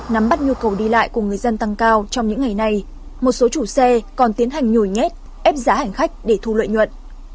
nắm bắt nhu cầu đi lại của người dân tăng cao trong những ngày này một số chủ xe còn tiến hành nhồi nhét ép giá hành khách để thu lợi nhuận